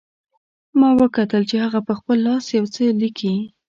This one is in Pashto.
ما وکتل چې هغه په خپل لاس یو څه لیکي